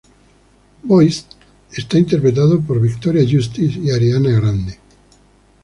Boyz" es interpretado por Victoria Justice y Ariana Grande.